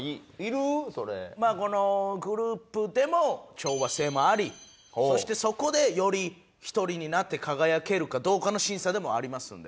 グループでも調和性もありそしてそこでより１人になって輝けるかどうかの審査でもありますんで。